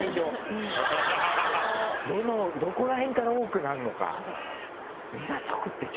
どこら辺から多くなるのか。